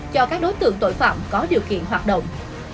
cho các đối tượng tội phạm có điều kiện hoạt động